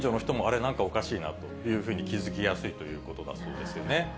なんかおかしいなと気付きやすいということだそうですよね。